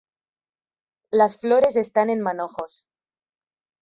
Las flores están en manojos.